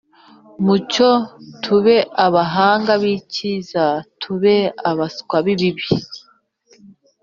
mucyo tube abahanga b’icyiza, tube abaswa b’ikibi